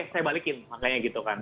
saya balikin makanya gitu kan